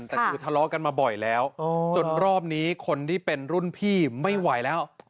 แต่คือทะเลาะกันมาบ่อยแล้วจนรอบนี้คนที่เป็นรุ่นพี่ไม่ไหวแล้ว